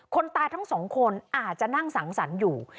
คนตายทั้งสองคนอาจจะนั่งสังสรรค์อยู่